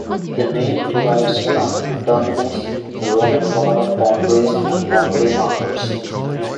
The name derives from Terminus, the Roman god of boundaries and boundary markers.